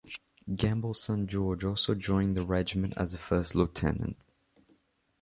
Gamble's son George also joined the regiment as a first lieutenant.